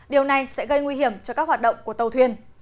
điều này sẽ gây nguy hiểm cho các hoạt động của tàu thuyền